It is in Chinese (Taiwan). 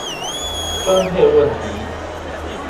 分配問題